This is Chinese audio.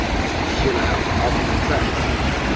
西莱阿芒塞。